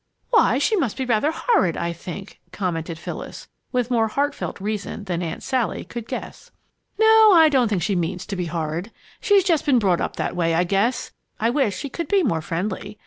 "Why, she must be rather horrid, I think," commented Phyllis, with more heartfelt reason than Aunt Sally could guess! "No, I don't think she means to be horrid she's just been brought up that way, I guess. I wish she could be more friendly.